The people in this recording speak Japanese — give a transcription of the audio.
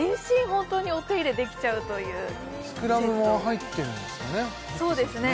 本当にお手入れできちゃうというセットスクラブも入ってるんですよね